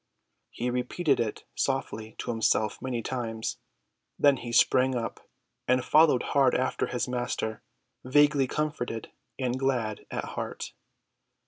He repeated it softly to himself many times. Then he sprang up and followed hard after his Master, vaguely comforted and glad at heart.